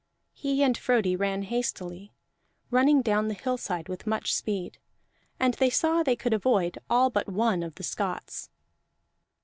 He and Frodi ran hastily, rushing down the hillside with much speed. And they saw they could avoid all but one of the Scots.